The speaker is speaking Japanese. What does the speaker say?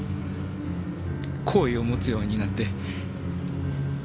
好意を持つようになって。